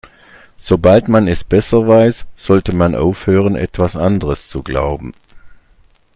Sobald man es besser weiß, sollte man aufhören, etwas anderes zu glauben.